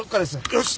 よし。